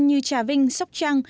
như trà vinh sóc trăng